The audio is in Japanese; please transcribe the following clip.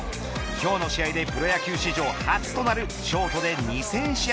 今日の試合でプロ野球史上初となるショートで２０００試合